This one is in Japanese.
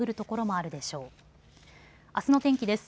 あすの天気です。